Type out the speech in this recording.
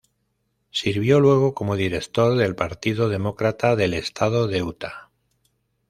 Sirvió luego como director del partido demócrata del estado de Utah.